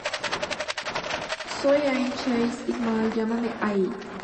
Soy Ain Chase Ishmael; llámame Ain.